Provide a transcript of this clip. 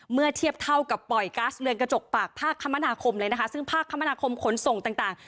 เมื่อเทียบเท่ากับปล่อยก๊าซเรือนกระจกปากภาคคมนาคมเลยนะคะซึ่งภาคคมนาคมขนส่งต่าง